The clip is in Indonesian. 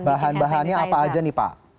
bahan bahannya apa aja nih pak